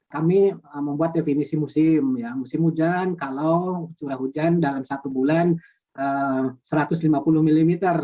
kami membuat definisi musim hujan kalau curah hujan dalam satu bulan satu ratus lima puluh mm